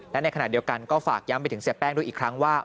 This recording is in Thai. และในขณะเดียวกันก็ฝากย้ำไปถึงเสียแป้งด้วยอีกครั้งว่า